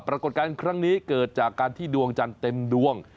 ปรากฏการณ์ครั้งนี้เกิดจากการที่ดวงจันทร์เต็มดวง